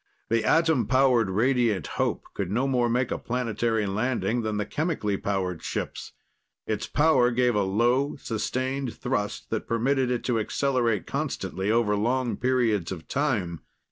The atom powered Radiant Hope could no more make a planetary landing than the chemically powered ships. Its power gave a low, sustained thrust that permitted it to accelerate constantly over long periods of time.